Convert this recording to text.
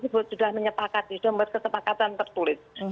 jadi itu sudah menyepakati sudah membuat kesepakatan tertulis